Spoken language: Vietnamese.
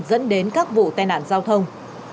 dẫn đến các vụ tai nạn giao thông